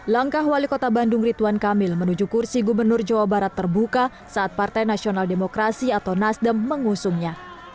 langkah wali kota bandung ridwan kamil menuju kursi gubernur jawa barat terbuka saat partai nasional demokrasi atau nasdem mengusungnya